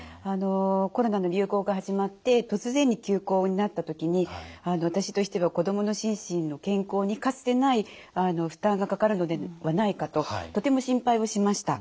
コロナの流行が始まって突然に休校になった時に私としては子どもの心身の健康にかつてない負担がかかるのではないかととても心配をしました。